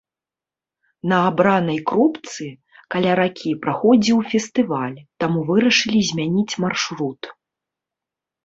На абранай кропцы каля ракі праходзіў фестываль, таму вырашылі змяніць маршрут.